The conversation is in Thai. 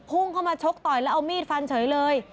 พุ่งเข้ามาชกต่อยแล้วเอามีดฟันเฉยเลย